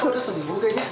aku udah sembuh kayaknya